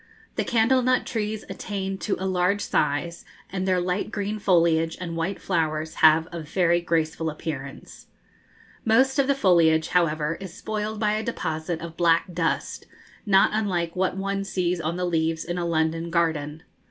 The candle nut trees attain to a large size, and their light green foliage and white flowers have a very graceful appearance. Most of the foliage, however, is spoiled by a deposit of black dust, not unlike what one sees on the leaves in a London garden.